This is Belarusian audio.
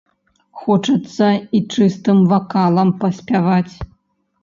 Хочацца і чыстым вакалам паспяваць.